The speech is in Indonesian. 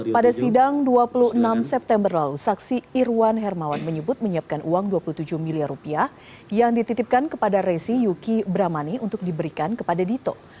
pada sidang dua puluh enam september lalu saksi irwan hermawan menyebut menyiapkan uang dua puluh tujuh miliar rupiah yang dititipkan kepada resi yuki bramani untuk diberikan kepada dito